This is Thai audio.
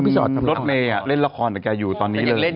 คุณรถมายเล่นละครแต่แกอยู่ตอนนี้เลย